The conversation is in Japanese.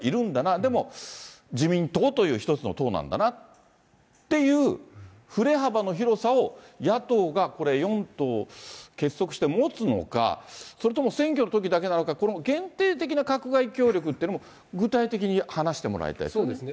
でも、自民党という一つの党なんだなっていう振れ幅の広さを野党が４党結束して持つのか、それとも選挙のときだけなのか、この限定的な閣外協力ってのも具体的に話してもらいたいですよね。